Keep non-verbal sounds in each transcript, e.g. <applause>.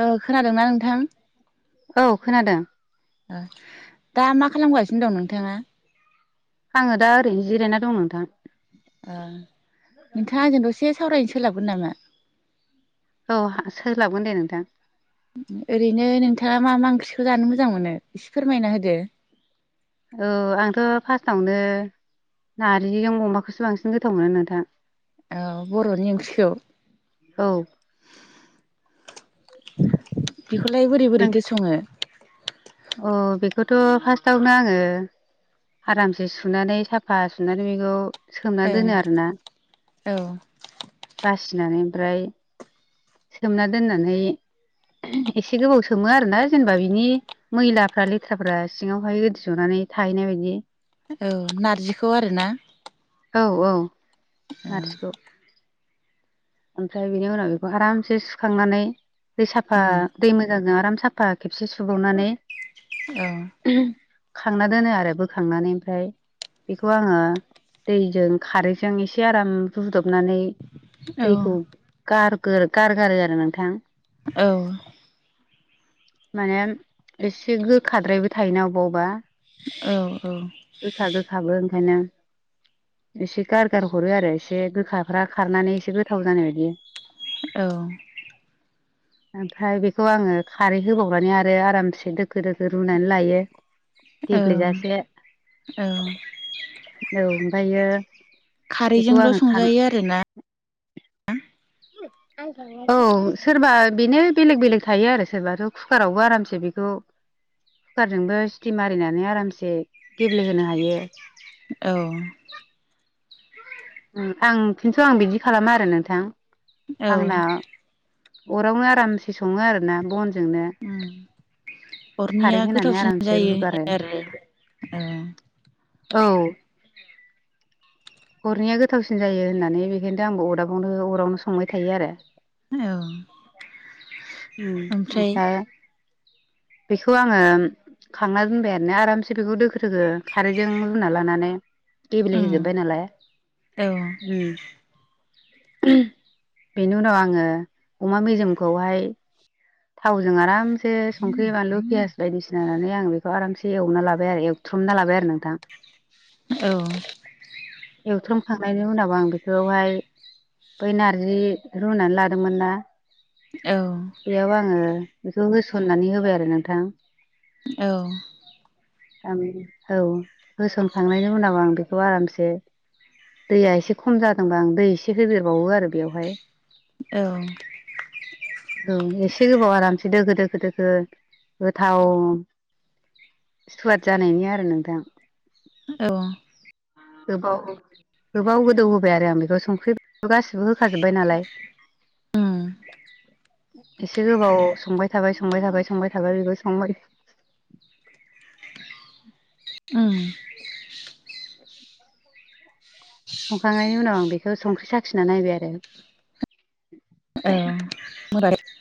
ओ खोनादोंना नोंथां। औ खोनादों ओ दा मा खालामगासिनो दं नोंथाङा। आङो दा ओरैनो जिरायना दं नोंथां ओ नोंथाङा आंजों दसे सावरायनो सोलाबगोन नामा। औ हा सोलाबगोन दे नोंथां ओरैनो नोंथाङा मा मा ओंख्रिखौ जानो मोजां मोनो एसे फोरमायना होदो औ आंथ' फार्स्टआवनो नारजिजों अमाखौसो बांसिन गोथाव मोनो नोंथां औ बर'नि ओंख्रिखौ औ बिखौलाय बोरै बोरैथो सङो। अ बेखौथ' फार्स्टआवनो आङो आरामसे सुनानै साफा सुनानै बेखौ सोमना ओं दोनो आरोना औ बासिनानै ओमफ्राय। सोमना दोननानै एसे गोबाव सोमो आरोना जेनेबा बिनि मैलाफ्रा लेथ्राफ्रा सिङावहाय गोदि जनानै थाहैनाय बायदि। औ नारजिखौ आरो ना औ औ औ नारजिखौ ओमफ्राय बिनि उनाव बेखौ आरामसे सुखांनानै दै साफा। उम दै मोजांजों आराम साफा खेबसे सुबावनानै ओ। खांना दोनो आरो बोखांनानै ओमफ्राय बेखौ आङो दैजों खारैजों एसे आराम रुदबनानै। औ दैखौ गारगोर गारगारो आरो नोंथां औ माने एसे गोखाद्रायबो थायोना अबा अबा गोखा गोखाबो ओंखायनो एसे गारगार हरो आरो एसे गोखाफ्रा खारनानै एसे गोथाव जानाय बायदि औ ओमफ्राय बेखौ आङो खारै होबावनानै आरो आरामसे दोखो-दोखो रुनानै लायो। <inaudible> गेब्लेजासे औ औ ओमफायो खारैजोंल' संजायो आरो ना <unintelligible> औ सोरबा बेनो बेलेग बेलेग थायो आरो सोरबाथ' कुकारावबो आरामसे बेखौ कुकारजोंबो सिटि मारिनानै आरामसे गेब्लेहोनो हायो। औ आं थिनस' आं बिदि खालामा आरो नोंथां। औ आंना अरावनो आरामसे सङो आरो ना बनजोंनो खारै हरनिया होनानै गोथावसिन आरामसे जायो रुगारो होन आरो औ औ अरनिया गोथावसिन जायो होननानै बेखायथ' आंबो अदाबावनो अरावनो संबाय थायो आरो। औ औ उम ओमफ्राय बेखौ आङो खांना दोनबाय आरोना आरामसे बेखौ दोखो दोखो खारैजों रुना लानानै उम गेब्लेहैजोब्बाय नालाय औ उम बेनि उनाव आङो अमा मेजेमखौहाय थावजों आरामसे संख्रि बानलु पियास बायदिसिना होननानै आं बेखौ आरामसे एवना लाबाय आरो एव- थ्रुमना लाबाय आरो नोंथां औ एवथ्रोमखांनायनि उनाव आं बेखौहाय बै नारजि रुनानै लादोंमोन ना औ बेयाव आङो बेखौ होसननानै होबाय आरो नोंथां औ आं औ होसनखांनायनि उनाव आं बेखौ आरामसे दैया एसे खम जादोंबा आं दै एसे होदेरबावो आरो बेवहाय औ औ एसे गोबाव आरामसेै दोखो दोखो दोखो गोथाव सुवाद जानायनि आरो नोंथां <inaudible> गोबाव-गोबाव गोदौ होबाय आरो आं बेखौ संख्रि गासिबो होखाजोब्बाय नालाय। एसे गोबाव संबाय थाबाय संबाय थाबाय संबाय थाबाय बेबो संबाय उम संखांनायनि उनाव आं बेखौ संख्रि साखिना नायबाय आरो औ <inaudible>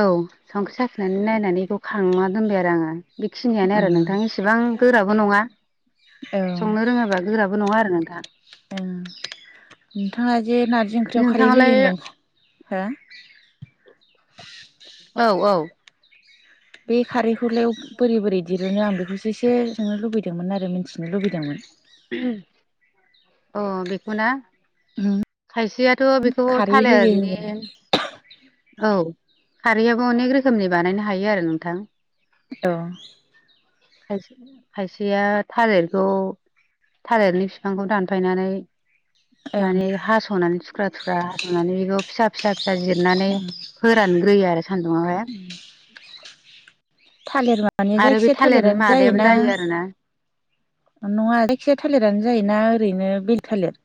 औ संख्रि साखिनानै नायनानै एखौ खांना दोनबाय आरो आङो बेखिनियानो आरो उम नोंथां इसेबां गोराबो नङा <inaudible> उम संनो रोङाबा गोराबो नङा आरो नोंथा नोंथाङा जे नारजि ओंख्रियाव खारै होयो नोंथाङालाय होनदों हो औ औ बे खारैखौलायाव अफ बोरै बोरै दिरुनो आं बेखौसो एसे सोंनो लुबैदोंमोन आरो मिन्थिनो लुबैदोंमोन। अ बेखौना उम खायसेयाथ' बेखौ खारै होयो थालिरनि होनदों औ खारैयाबो अनेक रोखोमनि बानायनो हायो आरो नोंथां औ खायसे-खायसेया थालिरखौ थालिरनि बिफांखौ दानफायनानै ओं माने हास'नानै थुख्रा थुख्रा हास'नानै बेखौ फिसा फिसा फिसा जिरनानै फोरानग्रोयो आरो सान्दुंङावहाय थालिर माने आरो बे जायखिाया थालिरनि थालिरानो मादायाबो जायोना? जायो आरोना नङा जायखिजाया थालिरानो जायोना ओरैनो बेल थालिर?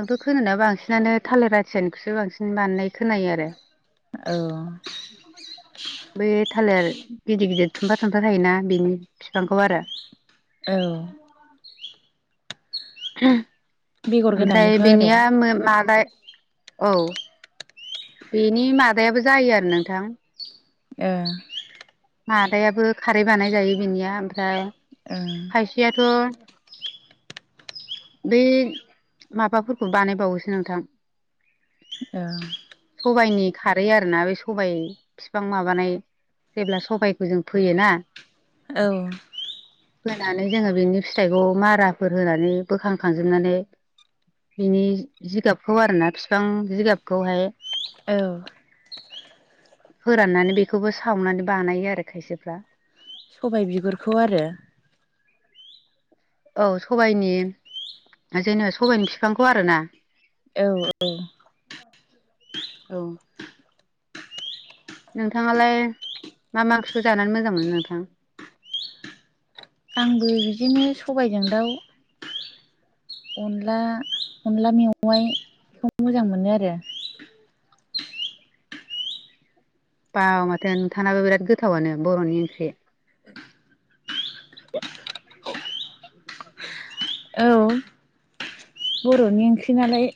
आंथ' खोनानायाव बांसिनानो थालिर आथियानिखौसो बांसिन बानायनाय खोनायो आरो। औ। <inaudible> बबे थालिर गिदिर - गिदिर थुमफा - थुमफा थायोना बिनि बिफांखौ आरो। औ। बेगर ओमफ्राय गोनांनिखौ आरो बेनिया मो माबाय औ। बेनि मादायाबो जायो आरो नोंथां। ओ। मादायाबो खारै बानाय जायो बिनिया ओमफ्राय ओ। खायसेयाथ' बै माबाफोरखौ बानायबावोसो नोंथां। औ। सबायनि खारै आरोना बे सबाय फिफां माबानाय जेब्ला सबायखौ जों फोयोना औ। होनानै जोङो बिनि फिथाइखौ माराफोर होनानै बोखांखांजोबनानै बिनि जिगाबखौ आरोना फिफां जिगाबखौहाय औ। फोराननानै बेखौबो सावनानै बानायो आरो खायसेफ्रा। सबाइ बिगुरखौ आरो। औ सबाइनि जेनेबा सबाइनि फिफांखौ आरोना। औ-औ। औ। नोंथाङालाय मा-मा ओंख्रिखौ जानानै मोजां मोनो नोंथां। आंबो बिदिनो सबायजों दाउ अनला - अनला मेवाइ बेखौ मोजां मोनो आरो। बाव माथो नोंथांनाबो बिराद गोथावनो बर'नि ओंख्रि। <inaudible> <inaudible> औ बर'नि ओंख्रि नालाय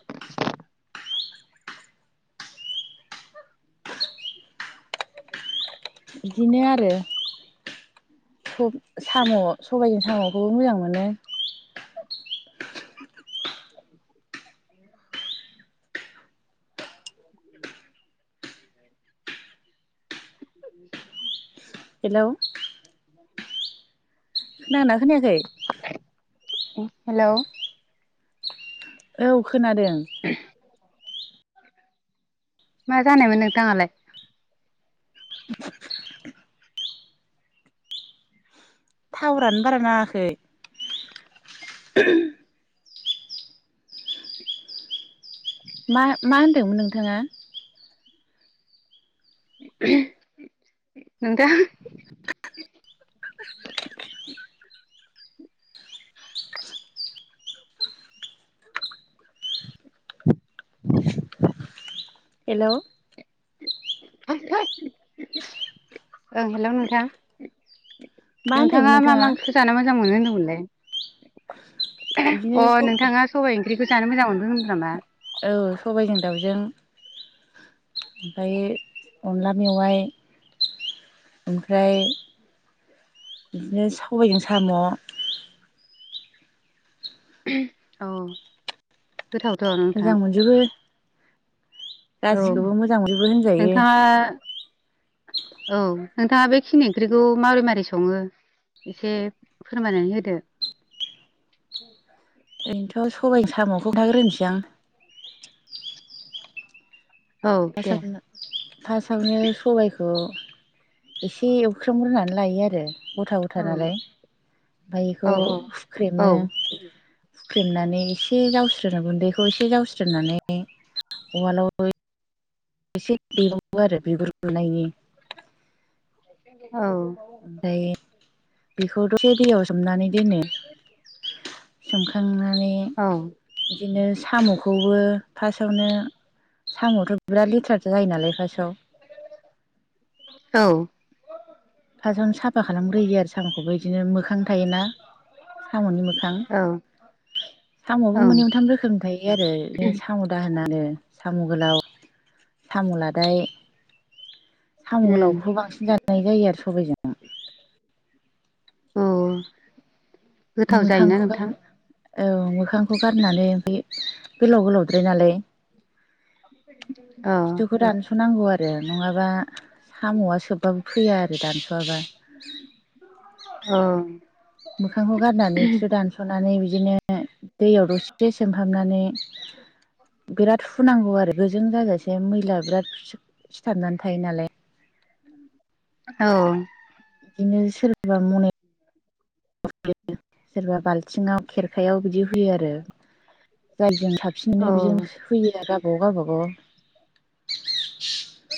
<inaudible> बिदिनो <inaudible> स' साम' सबायजों साम'खौबो मोजां मोनो। <inaudible> <inaudible> <inaudible> हेलौ। <inaudible> खोनादोंना खोनायाखै। ओम हेलौ। औ खोनादों। मा जानायमोन नोंथाङालाय? टावारानो बारा नाङाखै। मा - मा होन्दोंमोन नोंथाङा। <unintelligible> नोंथाङा। हेल'। ओं हेल' नोंथां। मा होनदोंमोन नोंथाङा मा - मा ओंख्रिखौ जानो मोजां मोनो होनदोंमोनलाय? बिदिनो अ नोंथाङा सबाय ओंख्रिखौ जानो मोजां मोनदों होनदों नामा? औ सबायजों दाउजों ओमफ्राय अनला मेवाइ ओमफ्राय बिदिनो सबायजों साम' औ गोथावथ नोंथां। मोजां मोनजोबो औ गासिखौबो मोजां मोनजोबो होनजायो नोंथाङा औ नोंथाङा बेखिनि ओंख्रिखौ माबोरै माबारै सङो एसे फोरमायनानै होदो। उ ओरैनोथ' सबाय जों साम'खौ खोनथाग्रोनोसै आं। औ दे <unintelligible> फार्स्टआवनो सबायखौ एसे एवख्रोमग्रोनानै लायो आरो। गथा औ गथा नालाय ओमफ्राय एखौ औ औ औ हुख्रेमो। फेननानै एसे जावस्रोनो गुन्दैखौ एसे जावस्रोनानै उवालावै एसे देबावो आरो बिगुर गुनायनि। औ। ओमफ्राय बेखौ दसे दैयाव सोमनानै दोनो। सोमखांनानै औ। बिदिनो साम'खौबो फार्स्टआवनो साम'आथ' बिराद लेथ्राथार जायो नालाय फार्स्टआव। औ। फार्स्टआवनो साफा खालामग्रोयो आरो साम'खौबो बिदिनो मोखां थायोना साम'नि मोखां। औ साम'आबो औ मोननै मोनथाम रोखोमनि थायो आरो बिदिनो साम' दाहाना होनानो साम' गोलाव। साम'लादाय साम' उम गोलावखौबो बांसिन जानाय जायो आरो सबाइजों। औ। बि गोथाव जायोना मोखांखौ गार नोंथां औ मोखांखौ गारनानै ओमफ्राय गोलाव गोलावद्राय नालाय। औ खिथौखौ दानस नांगौ आरो नङाबा साम'आ सोबबाबो फैया आरो दानस'आबा। उम्म। मोखांखौ गारनानै खिथौ दानस थ'नानै बिदिनो दैयाव दसे सोमहाबनानै बिराद हुनांगौ आरो गोजों जाजासे मैला बिराद सिथाबनानै थायो नालाय। औ। बिदिनो सोरबा मनायाव सोरबा बाल्थिङाव खेरखायाव बिदि हुयो आरो जायजों साबसिननो बिजों होयो ना गावबा गाव गावबा गाव।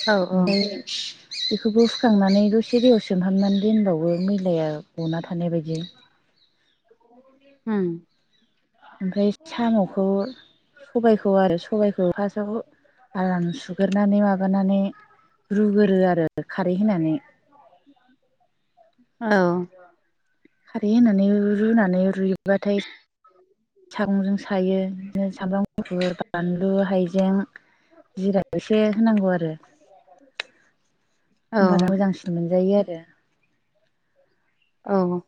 औ <unintelligible> बेखौबो हुखांनानै दसे दैयाव सोमहाबनानै दोनबावो मैलाया गना थानाय बायदि उम्म ओमफ्राय साम'खौ सबायखौ आरो सबायखौ फास्टआव आराम सुगोरनानै माबानानै रुगोरो आरो खारै होनानै। औ। खारै होनानै रुनानै रुइबाथाय सागंजों सायो। बिदिनो सामब्राम गुफुर बानलु हाइजें जिरा एसे होनांगौ आरो औ होमबाना मोजांसि मोनजायो आरो। औ।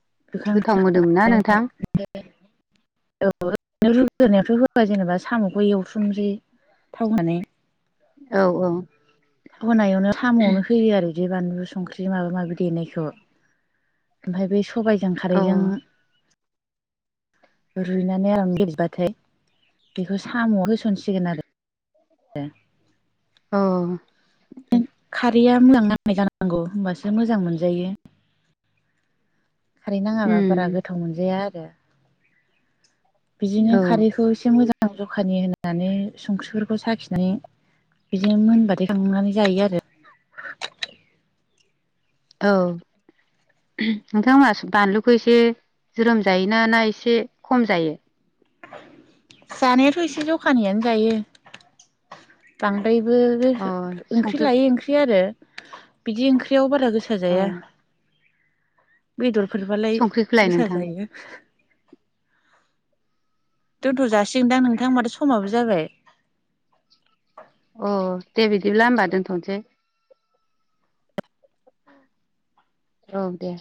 गोथाव मोदोमोना नोंथां <unintelligible> औ ओरैनो रुग्रोनायाथ' होबाय जेनेबा साम'खौ एवस्रोमनोसै थाव होनानै। औ औ। होनायावनो साम'नो होयो आरो। बे बानलु सुंख्रि माबा माबि देनायखौ ओमफाय बै सबाय जों औ खारैजों रुइनानै आराम गेब्लेबाथाय बेखौ साम'आव होसनसिगोन आरो। आरो औ खारैया मोजां नांनाय जानांगौ होमबासो मोजां मोनजायो। खारै नाङाबा उम बारा गोथाव मोनजाया आरो। औ बिदिनो खारैखौ एसे मोजां जखानि होननानै संख्रिफोरखौ साखिनानै बिदिजों मोनबाथाय खांनानै जायो आरो। औ। नोंथांमोना बानलुखौ एसे ज्रोम जायोना ना एसे खम जायो। जानायाथ' एसे जखानियानो जायो। बांद्रायबो अ रो-हो-ओंख्रि संख्रि लायै ओंख्रि आरो बिदि ओंख्रियाव बारा गोसा अ जाया बेदरफोरबालाय संख्रिखौलाय गोसा नोंथां जायो। दोनथ' जासिगोनदां नोंथां माथो समाबो जाबाय। अ दे बिदिब्ला होमबा दोनथ'नोसै। औ दे